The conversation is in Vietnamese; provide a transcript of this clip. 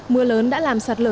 mưa lớn đã làm sạt lở